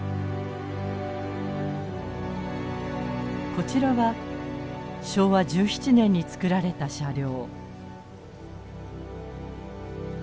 こちらは昭和１７年につくられた車両。